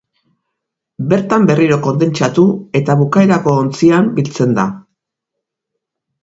Bertan berriro kondentsatu eta bukaerako ontzian biltzen da.